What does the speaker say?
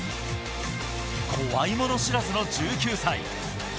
怖いもの知らずの１９歳。